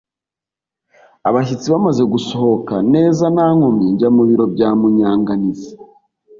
Abashyitsi bamaze gusohoka neza nta nkomyi njya mu biro bya Munyanganizi